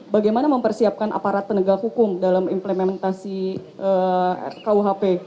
bagaimana mempersiapkan aparat penegak hukum dalam implementasi rkuhp